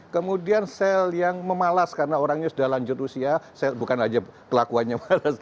kemudian sel yang memalas karena orangnya sudah lanjut usia bukan saja kelakuannya